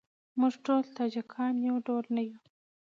موږ ټول تاجیکان یو ډول نه یوو.